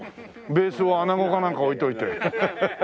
ベースは穴子かなんか置いといて。